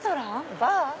バー？